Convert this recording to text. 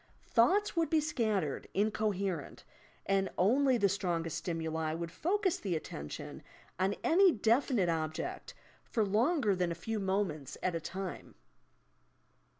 Thoughts would be scattered, incoherent, and only the strongest stimuli would focus the attention on any definite object for longer than a few moments at a time.